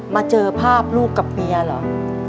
มาเจอภาพลูกกับเมียเหรอ